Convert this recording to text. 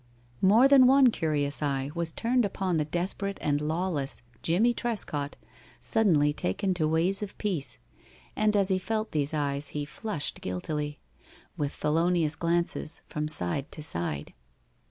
More than one curious eye was turned upon the desperate and lawless Jimmie Trescott suddenly taken to ways of peace, and as he felt these eyes he flushed guiltily, with felonious glances from side to side.